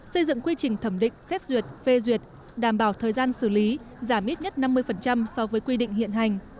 xây dựng quy trình thẩm định xét duyệt phê duyệt đảm bảo thời gian xử lý giảm ít nhất năm mươi so với quy định hiện hành